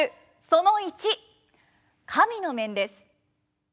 その１神の面です。